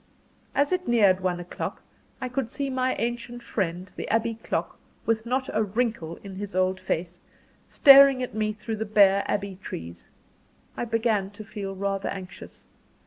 As it neared one o'clock, I could see my ancient friend the Abbey clock with not a wrinkle in his old face, staring at me through the bare Abbey trees. I began to feel rather anxious.